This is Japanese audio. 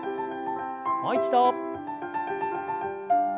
もう一度。